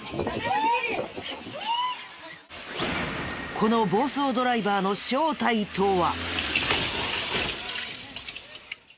この暴走ドライバーの正体とは？